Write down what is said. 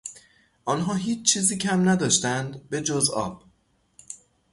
آنها هیچ چیزی کم نداشتند بجز آب